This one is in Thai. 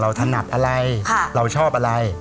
ถนัดอะไรเราชอบอะไร